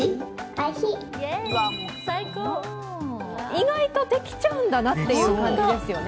意外とできちゃうんだなっていう感じですね。